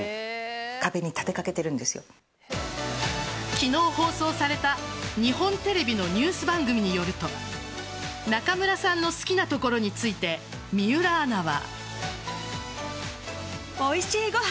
昨日放送された日本テレビのニュース番組によると中村さんの好きなところについて水卜アナは。